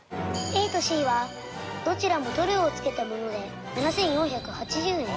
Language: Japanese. ＡとＣはどちらも塗料をつけたもので７４８０円。